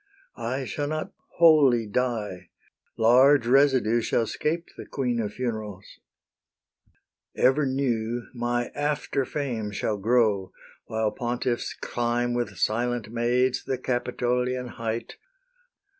I shall not wholly die: large residue Shall 'scape the queen of funerals. Ever new My after fame shall grow, while pontiffs climb With silent maids the Capitolian height.